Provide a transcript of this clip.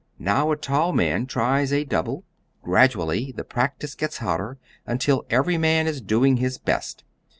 Now a tall man tries a double. Gradually the practice gets hotter until every man is doing his best.